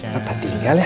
papa tinggal ya